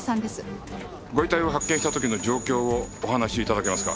ご遺体を発見した時の状況をお話し頂けますか？